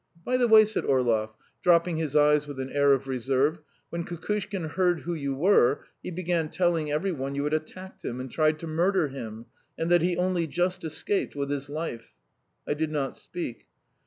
By the way," said Orlov, dropping his eyes with an air of reserve, "when Kukushkin heard who you were, he began telling every one you had attacked him and tried to murder him ... and that he only just escaped with his life." I did not speak.